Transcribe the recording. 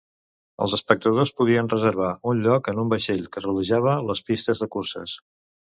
Els espectadors podien reservar un lloc en un vaixell que rodejava les pistes de curses.